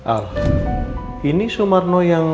al ini sumarno yang